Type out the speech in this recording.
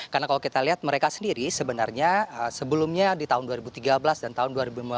karena kalau kita lihat mereka sendiri sebenarnya sebelumnya di tahun dua ribu tiga belas dan tahun dua ribu lima belas